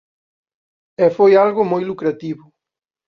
E foi algo moi lucrativo.